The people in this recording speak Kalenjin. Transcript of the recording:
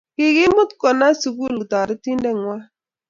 Kikimut kona sukul toretindengwai